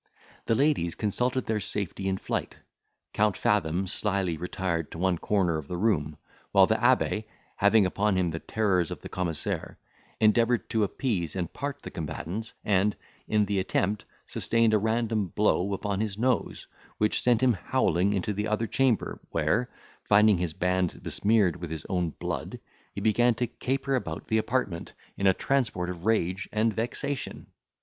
The ladies consulted their safety in flight; Count Fathom slyly retired to one corner of the room; while the abbe, having upon him the terrors of the commissaire, endeavoured to appease and part the combatants, and, in the attempt, sustained a random blow upon his nose, which sent him howling into the other chamber, where, finding his band besmeared with his own blood, he began to caper about the apartment, in a transport of rage and vexation.